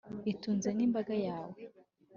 itunze n’imbaga yawe